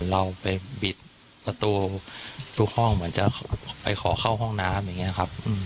เราไปบิดประตูทุกห้องเหมือนจะไปขอเข้าห้องน้ำอย่างนี้ครับ